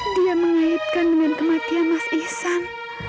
dia mengaitkan dengan kematian mas ihsan